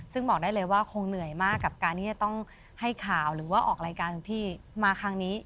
ซึ่งบอกได้เลยว่าคงเหนื่อยมากกับการที่จะต้องให้ข่าวหรือว่าออกรายการที่มาครั้งนี้